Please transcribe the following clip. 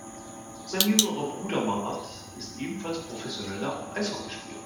Sein jüngerer Bruder Marat ist ebenfalls professioneller Eishockeyspieler.